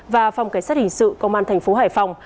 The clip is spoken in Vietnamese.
và phòng cảnh sát hình sự công an thành phố hải phòng